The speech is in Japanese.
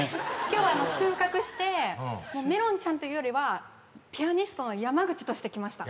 今日は収穫してめろんちゃんというよりはピアニストの山口として来ました。